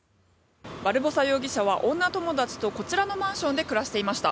バルボサ容疑者は女友達とこちらのマンションで暮らしていました。